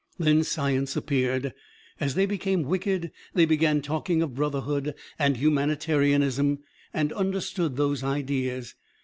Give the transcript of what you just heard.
Then science appeared. As they became wicked they began talking of brotherhood and humanitarianism, and understood those ideas.